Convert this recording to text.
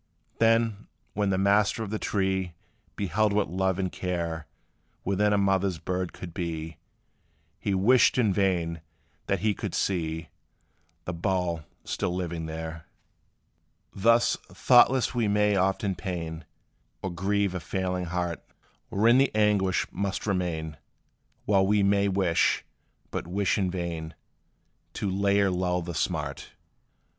Then, when the master of the tree Beheld what love and care Within a mother bird could be, He wished in vain that he could see The bough still living there. Thus, thoughtless we may often pain Or grieve a feeling heart, Wherein the anguish must remain, While we may wish, but wish in vain, To lay or lull the smart.